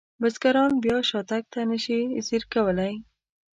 بزګران بیا شاتګ ته نشي ځیر کولی.